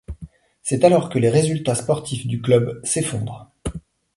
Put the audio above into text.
C’est alors que les résultats sportifs du club s’effondrent.